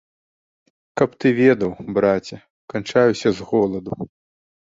Каб ты ведаў, браце, канчаюся з голаду.